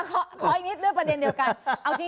ขออีกนิดด้วยประเด็นเดียวกัน